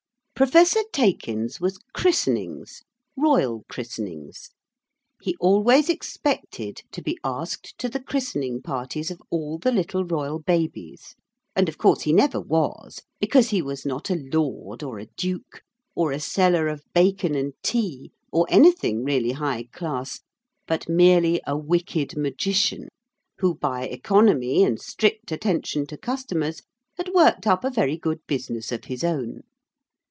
Professor Taykin's was christenings royal christenings. He always expected to be asked to the christening parties of all the little royal babies, and of course he never was, because he was not a lord, or a duke, or a seller of bacon and tea, or anything really high class, but merely a wicked magician, who by economy and strict attention to customers had worked up a very good business of his own.